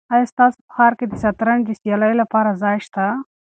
آیا ستاسو په ښار کې د شطرنج د سیالیو لپاره ځای شته؟